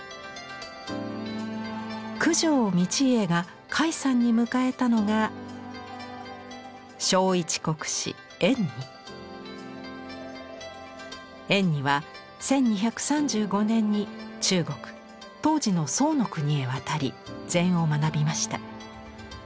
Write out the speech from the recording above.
九条道家が開山に迎えたのが円爾は１２３５年に中国当時の宋の国へ渡り禅を学びました。